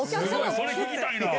それ聴きたいな！